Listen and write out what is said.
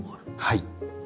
はい。